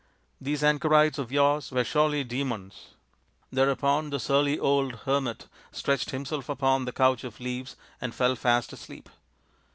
These anchorites of yours were surely demons." Thereupon the surly old hermit stretched himself upon the couch of leaves, and fell fast asleep.